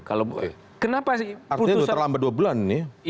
artinya terlambat dua bulan nih